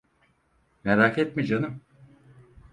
Merak etme canım.